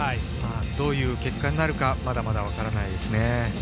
どういう結果になるかまだまだ分からないですね。